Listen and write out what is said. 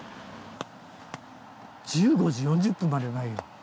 １５時４０分までないよ。